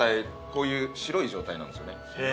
こういう白い状態なんですよね。